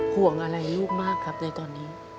ห่วงอะไรลูกมากครับในตอนนี้